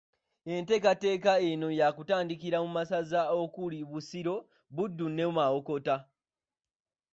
Enteekateeka eno yakutandikira mu masaza okuli Busiro, Buddu ne Mawokota